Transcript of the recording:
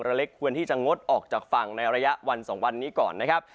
เล็กควรที่จะงดออกจากฝั่งในระยะวัน๒วันนี้ก่อนนะครับ